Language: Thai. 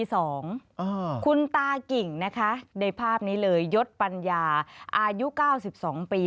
คุณตากิ่งนะคะในภาพนี้เลยยศปัญญาอายุ๙๒ปี